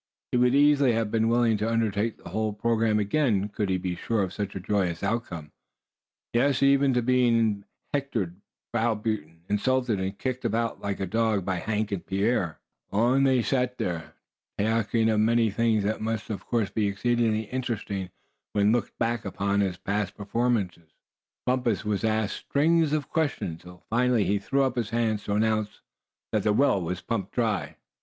He would easily have been willing to undertake the whole programme again could he be sure of such a joyous outcome yes, even to being hectored, browbeaten, insulted, and kicked about like a dog, by Hank and Pierre. Long they sat there, talking of the many things that must of course be exceedingly interesting when looked back upon as past performances. Bumpus was asked strings of questions until finally he threw up his hands, to announce that the well was pumped dry.